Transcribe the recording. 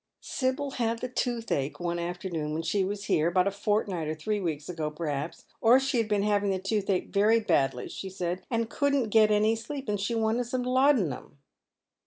" Sibyl had the toothache one afternoon when she was here about a fortnight or three weeks ago, perhaps — or she had been iiaving the toothaclje very badly, she said, and couldn't get any sleep, and she wanted some laudanum."